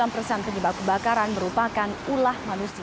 sembilan puluh sembilan persen penyebab kebakaran merupakan ulah manusia